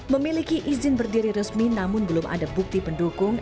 memiliki izin berdiri resmi namun belum ada bukti pendukung